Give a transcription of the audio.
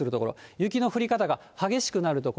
雪の降り方が激しくなる所。